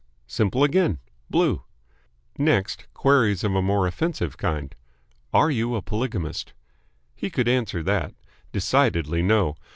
Simple again. Blue. Next, queries of a more offensive kind. "Are you a polygamist?" He could answer that. Decidedly no.